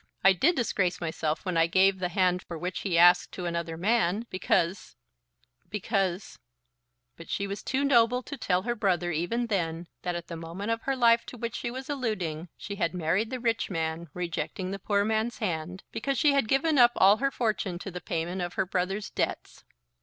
I did disgrace myself when I gave the hand for which he asked to another man, because, because " But she was too noble to tell her brother even then that at the moment of her life to which she was alluding she had married the rich man, rejecting the poor man's hand, because she had given up all her fortune to the payment of her brother's debts.